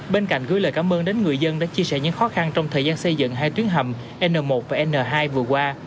bên cạnh gửi lời cảm ơn đến người dân đã chia sẻ những khó khăn trong thời gian xây dựng hai tuyến hầm n một và n hai vừa qua